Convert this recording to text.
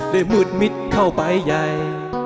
มืดมิดเข้าไปใหญ่